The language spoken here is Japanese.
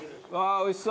おいしそう。